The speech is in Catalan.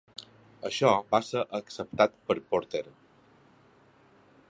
Això va ser acceptat per Porter.